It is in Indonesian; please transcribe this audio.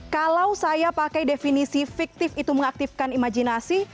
kalau saya pakai definisi fiktif itu mengaktifkan imajinasi